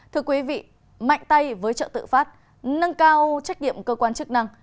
thưa quý vị mạnh tay với trợ tự phát nâng cao trách nhiệm cơ quan chức năng